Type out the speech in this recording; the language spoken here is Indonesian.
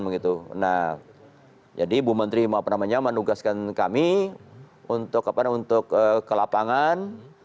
nah jadi ibu menteri menugaskan kami untuk ke lapangan